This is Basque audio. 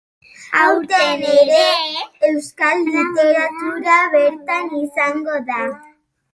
Aurten ere, euskal literatura bertan izango da.